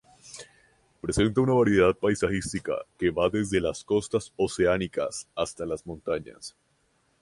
Presenta una variedad paisajística que va desde las costas oceánicas hasta las montañas.